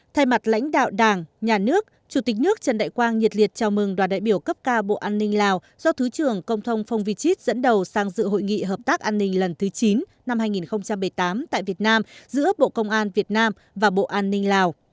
thay mặt lãnh đạo đảng nhà nước chủ tịch nước trần đại quang nhiệt liệt chào mừng đoàn đại biểu cấp cao bộ an ninh lào do thứ trưởng công thông phong vi chít dẫn đầu sang dự hội nghị hợp tác an ninh lần thứ chín năm hai nghìn một mươi tám tại việt nam giữa bộ công an việt nam và bộ an ninh lào